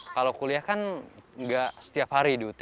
kalau kuliah kan nggak setiap hari di ut